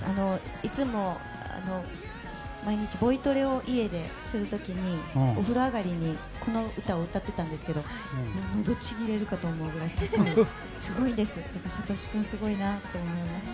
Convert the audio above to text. いつも毎日ボイトレを家でする時にお風呂上がりにこの歌を歌ってたんですけど喉ちぎれるかと思うぐらいすごいんです。